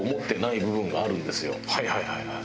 はいはいはいはい。